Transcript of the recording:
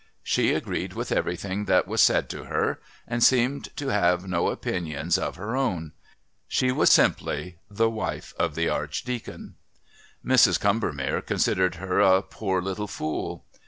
She agreed with everything that was said to her and seemed to have no opinions of her own. She was simply "the wife of the Archdeacon." Mrs. Combermere considered her a "poor little fool."